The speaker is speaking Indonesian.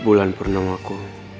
bulan pernama ku